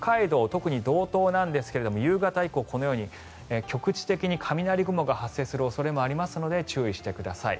特に道東なんですが夕方以降、このように局地的に雷雲が発生する恐れもあるので注意してください。